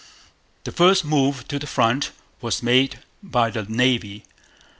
The first move to the front was made by the Navy.